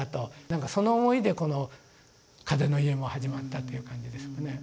何かその思いでこの「風の家」も始まったという感じですよね。